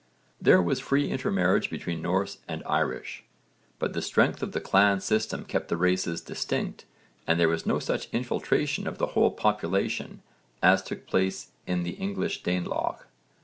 There was free intermarriage between Norse and Irish (v. supra, p. 56), but the strength of the clan system kept the races distinct and there was no such infiltration of the whole population as took place in the English Danelagh.